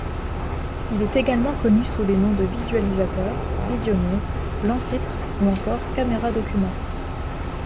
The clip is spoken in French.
Il est également connu sous les noms de visualisateur, visionneuse, banc-titre ou encore caméra-document.